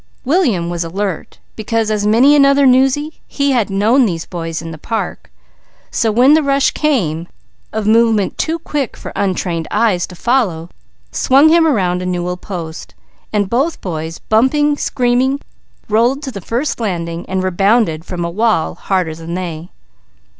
William was alert, because as many another "newsy" he had known these boys in the park; so when the rush came, a movement too quick for untrained eyes to follow swung him around a newel post, while both boys bumping, screaming, rolled to the first landing and rebounded from a wall harder than they.